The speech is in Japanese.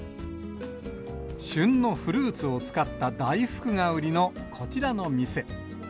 旬のフルーツを使った大福が売りのこちらの店。